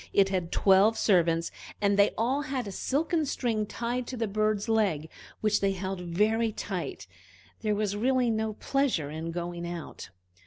It had twelve servants, and they all had a silken string tied to the bird's leg which they held very tight. There was really no pleasure in going out.